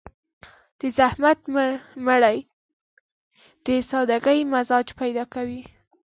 د زحمت مړۍ د سادهګي مزاج پيدا کوي.